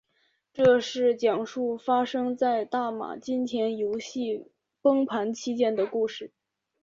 这是讲述发生在大马金钱游戏崩盘期间的故事。